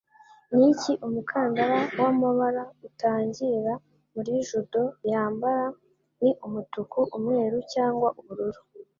Niki umukandara wamabara utangira muri Judo yambara, ni Umutuku, Umweru cyangwa Ubururu